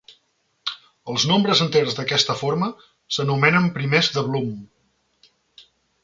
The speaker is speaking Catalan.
Els nombres enters d'aquesta forma s'anomenen primers de Blum.